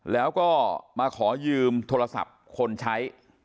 แล้วก็มาขอยืมโทรศัพท์คนใช้